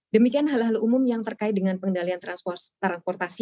demikian hal hal umum yang terkait dengan pengendalian transportasi